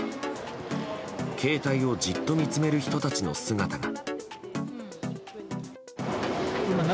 携帯をじっと見つめる人たちの姿が。